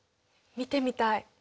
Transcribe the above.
見てみたい。